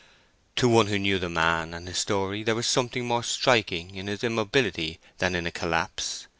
To one who knew the man and his story there was something more striking in this immobility than in a collapse.